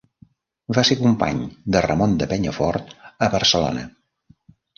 Va ser company de Ramon de Penyafort a Barcelona.